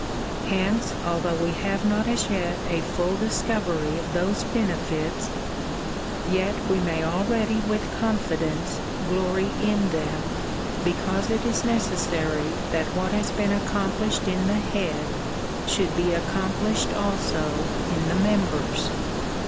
Hence, although we have not as yet a full discovery of those benefits, yet we may already with confidence glory in them, because it is neces sary that what has been accomplished in the Head should be accomplished, also, in the members.